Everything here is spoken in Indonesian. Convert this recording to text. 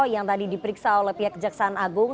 yang tadi diperiksa oleh pihak kejaksaan agung